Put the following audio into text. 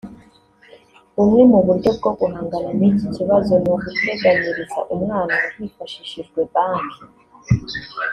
Bumwe mu buryo bwo guhangana n’iki kibazo ni uguteganyiriza umwana hifashishijwe banki